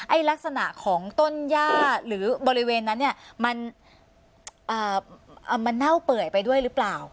ลักษณะของต้นย่าหรือบริเวณนั้นเนี่ยมันเน่าเปื่อยไปด้วยหรือเปล่า